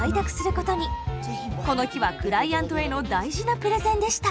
この日はクライアントへの大事なプレゼンでした。